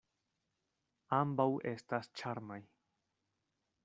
Ambaŭ estas ĉarmaj.